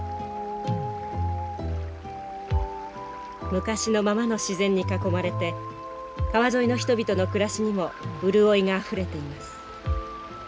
昔のままの自然に囲まれて川沿いの人々の暮らしにも潤いがあふれています。